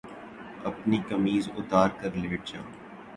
أپنی قمیض اُتار کر لیٹ جاؤ